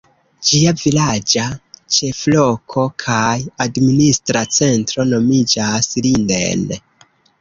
Ĝia vilaĝa ĉefloko kaj administra centro nomiĝas Linden.